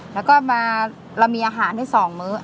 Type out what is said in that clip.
แล้วก็มาเรามีอาหารให้๒มื้อ